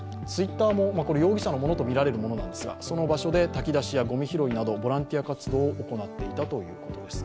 Ｔｗｉｔｔｅｒも、これは容疑者のものとみられるものなんですがその場所で炊き出しやゴミ拾いなどボランティア活動を行っていたということです。